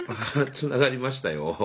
つながりましたよ。